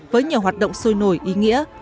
với nhiều hoạt động sôi nổi ý nghĩa